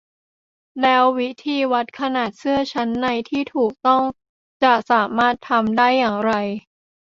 แล้ววิธีวัดขนาดเสื้อชั้นในที่ถูกต้องจะสามารถทำได้อย่างไร